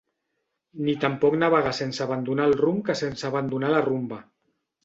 Ni tampoc navegar sense abandonar el rumb que sense abandonar la rumba.